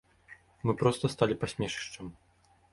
Мы проста сталі пасмешышчам.